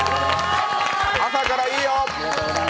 朝からいいよ！